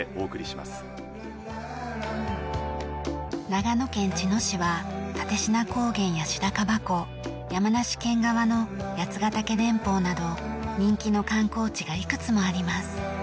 長野県茅野市は蓼科高原や白樺湖山梨県側の八ヶ岳連峰など人気の観光地がいくつもあります。